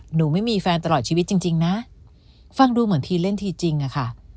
หนูไม่มีแฟนตลอดชีวิตจริงนะฟังดูเหมือนทีเล่นทีจริงอะค่ะ